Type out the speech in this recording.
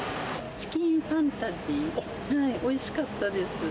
チキンファンタジー、おいしかったです。